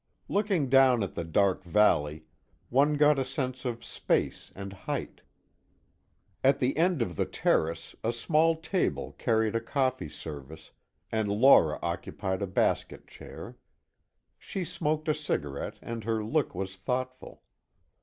Looking down at the dark valley, one got a sense of space and height. At the end of the terrace, a small table carried a coffee service, and Laura occupied a basket chair. She smoked a cigarette and her look was thoughtful.